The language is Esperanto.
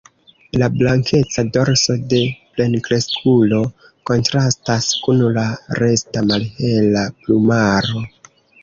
La blankeca dorso de plenkreskulo kontrastas kun la resta malhela plumaro.